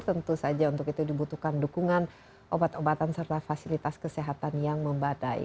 tentu saja untuk itu dibutuhkan dukungan obat obatan serta fasilitas kesehatan yang membadai